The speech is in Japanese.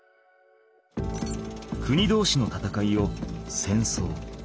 国同士の戦いを戦争